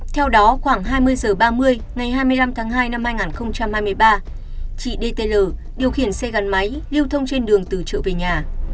theo đó khoảng hai mươi h ba mươi ngày hai mươi năm tháng hai năm hai nghìn hai mươi ba chị dtl điều khiển xe gắn máy lưu thông trên đường từ trợ về nhà